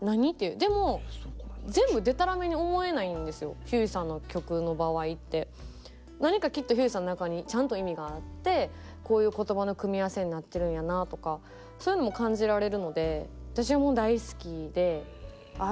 もうひゅーいさんの歌詞って何かきっとひゅーいさんの中にちゃんと意味があってこういう言葉の組み合わせになってるんやなとかそういうのも感じられるので私はもう大好きでああ